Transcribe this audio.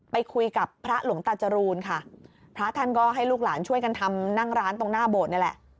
ไปคุยกับพระหลวงตาจรูนค่ะพระท่านก็ให้ลูกหลานช่วยกันทำนั่งร้านตรงหน้าโบสถนี่แหละ